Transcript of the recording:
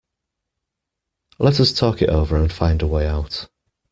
Let us talk it over and find a way out.